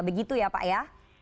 begitu ya pak ya